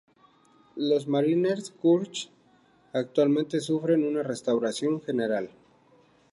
La "Mariners' Church" actualmente sufre una restauración general.